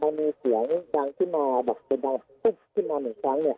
พอมีเสียงดังขึ้นมาแบบจะดังปุ๊บขึ้นมาหนึ่งครั้งเนี่ย